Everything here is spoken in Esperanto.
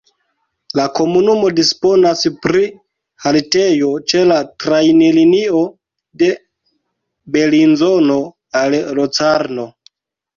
La komunumo disponas pri haltejo ĉe la trajnlinio de Belinzono al Locarno.